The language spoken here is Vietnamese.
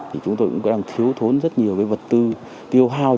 thì chúng tôi cũng đang thiếu thốn rất nhiều cái vật tư tiêu hao